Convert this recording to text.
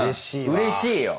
うれしいわ。